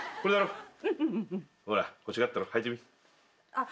あっ。